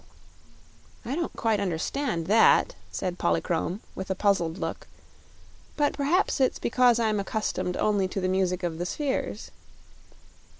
"I don't quite understand that," said Polychrome, with a puzzled look; "but perhaps it's because I'm accustomed only to the music of the spheres."